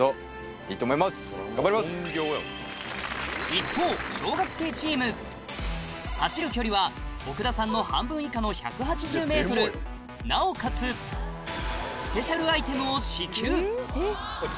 一方走る距離は奥田さんの半分以下の１８０ｍなおかつスペシャルアイテムを支給おっ！